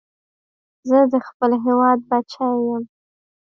زه د خپل هېواد بچی یم